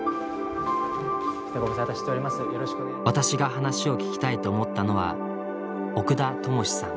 私が話を聞きたいと思ったのは奥田知志さん。